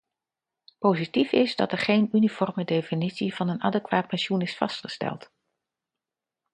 Positief is dat er geen uniforme definitie van een adequaat pensioen is vastgesteld.